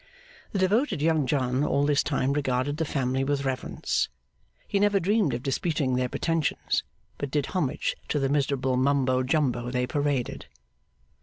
The devoted Young John all this time regarded the family with reverence. He never dreamed of disputing their pretensions, but did homage to the miserable Mumbo jumbo they paraded.